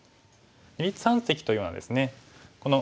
「二立三析」というのはですね